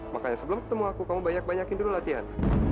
makanya sebelum ketemu aku kamu banyak banyakin dulu latihan